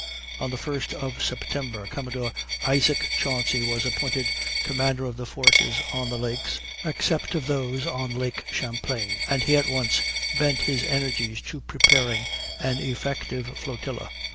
On the first of September Commodore Isaac Chauncy was appointed commander of the forces on the lakes (except of those on Lake Champlain), and he at once bent his energies to preparing an effective flotilla.